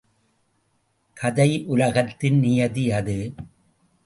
கதையுலகத்தின் நியதி அது.